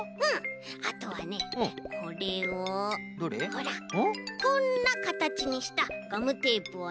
ほらこんなかたちにしたガムテープをね。